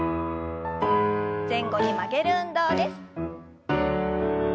前後に曲げる運動です。